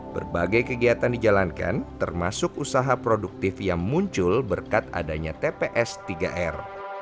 berbagai kegiatan dijalankan termasuk usaha produktif yang muncul berkat adanya tps tiga r